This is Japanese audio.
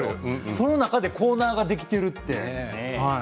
その中でコーナーができているっていうのはね。